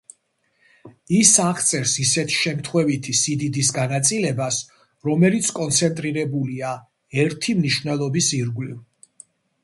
ის აღწერს ისეთი შემთხვევითი სიდიდის განაწილებას, რომელიც კონცენტრირებულია ერთი მნიშვნელობის ირგვლივ.